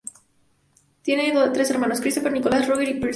Tiene tres hermanos Christopher, Nicola y Roger Pearson.